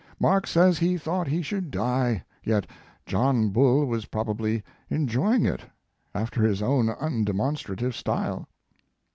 Mark says he thought he should die, yet John Bull was probably enjoying it alter his own undemonstra tive style.